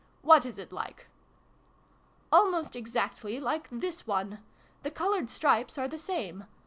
" What is it like ?"" Almost exactly like this one. The coloured stripes are the same.